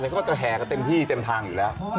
แต่ก็แหกเต็มที่เต็มทางอยู่แล้ว